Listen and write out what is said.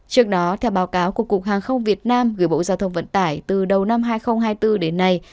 trước đó theo báo cáo của cục hàng không việt nam gửi bộ giao thông vận tải từ đầu năm hai nghìn hai mươi bốn đến nay